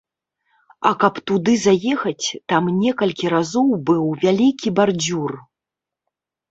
А каб туды заехаць, там некалькі разоў быў вялікі бардзюр.